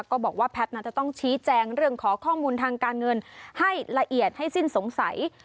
บอกว่าแพทย์นั้นจะต้องชี้แจงเรื่องขอข้อมูลทางการเงินให้ละเอียดให้สิ้นสงสัย